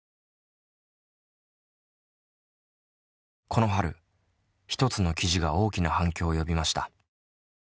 この春一つの記事が大きな反響を呼びました。